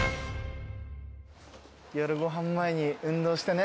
夜ご飯前に運動してね。